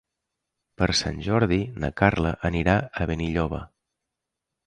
Per Sant Jordi na Carla anirà a Benilloba.